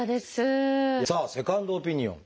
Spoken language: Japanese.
さあセカンドオピニオン。